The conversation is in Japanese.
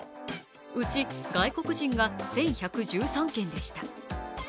うち外国人が１１１３件でした。